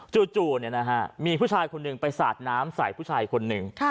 จู่มีผู้ชายคนหนึ่งไปสาดน้ำใส่ผู้ชายคนหนึ่ง